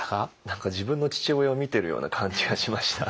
何か自分の父親を見てるような感じがしました。